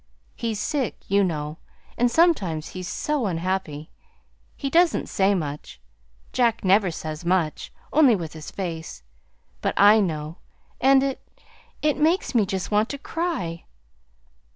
"He's sick, you know, and sometimes he's so unhappy! He doesn't say much. Jack never says much only with his face. But I know, and it it just makes me want to cry."